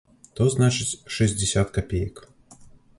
То, значыць, шэсцьдзесят капеек.